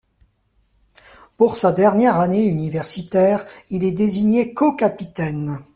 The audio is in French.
Pour sa dernière année universitaire, il est désigné co-capitaine.